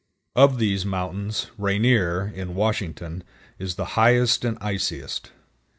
Of these mountains Rainier, in Washington, is the highest and iciest.